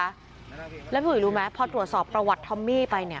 แล้วพี่อุ๋ยรู้ไหมพอตรวจสอบประวัติทอมมี่ไปเนี่ย